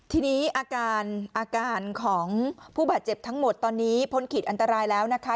ทีนี้อาการอาการของผู้บาดเจ็บทั้งหมดตอนนี้พ้นขีดอันตรายแล้วนะคะ